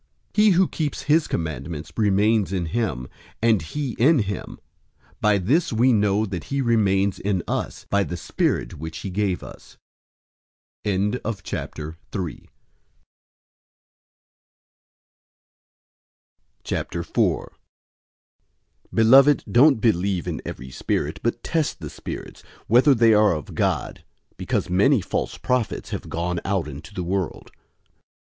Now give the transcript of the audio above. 003:024 He who keeps his commandments remains in him, and he in him. By this we know that he remains in us, by the Spirit which he gave us. 004:001 Beloved, don't believe every spirit, but test the spirits, whether they are of God, because many false prophets have gone out into the world.